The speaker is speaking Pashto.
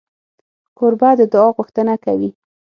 کوربه د دعا غوښتنه کوي.